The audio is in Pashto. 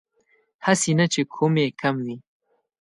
هسې نه چې کوم يې کم وي